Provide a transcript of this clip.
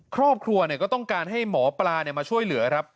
ครอบครัวเนี่ยก็ต้องการให้หมอปลาเนี่ยมาช่วยเหลือ